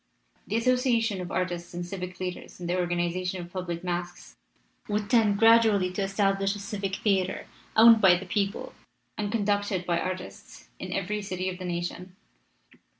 The as sociation of artists and civic leaders in the or ganization of public masques would tend gradually to establish a civic theater, owned by the people and conducted by artists, in every city of the nation.